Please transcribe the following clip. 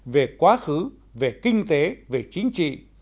về quá khứ về kinh tế về chính trị